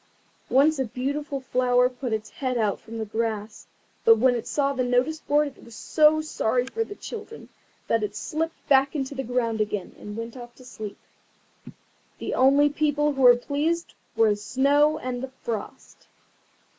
Once a beautiful flower put its head out from the grass, but when it saw the notice board it was so sorry for the children that it slipped back into the ground again, and went off to sleep. The only people who were pleased were the Snow and the Frost.